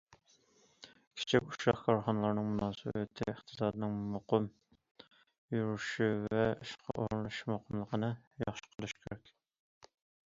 كىچىك ئۇششاق كارخانىلارنىڭ مۇناسىۋىتى، ئىقتىسادنىڭ مۇقىم يۈرۈشۈشى ۋە ئىشقا ئورۇنلىشىش مۇقىملىقىنى ياخشى قىلىش لازىم.